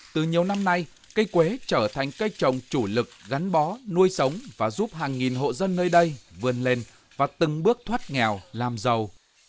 từ nhiều năm nay cây quế trở thành cây trồng chủ lực gắn bó nuôi sống và giúp hàng nghìn hộ dân nơi đây vươn lên và từng bước thoát nghèo làm giàu